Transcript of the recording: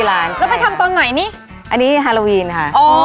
แล้วไปทำตอนไหนนี่อันนี้ฮาโลวีนค่ะ